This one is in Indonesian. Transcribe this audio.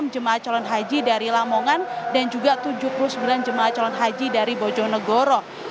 enam jemaah calon haji dari lamongan dan juga tujuh puluh sembilan jemaah calon haji dari bojonegoro